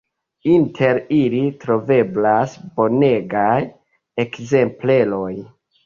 Inter ili troveblas bonegaj ekzempleroj.